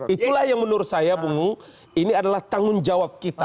itulah yang menurut saya bungung ini adalah tanggung jawab kita